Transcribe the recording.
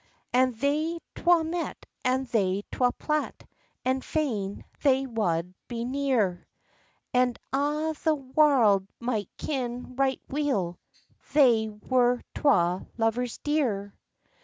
And they twa met, and they twa plat, And fain they wad be near; And a' the warld might ken right weel, They were twa lovers dear.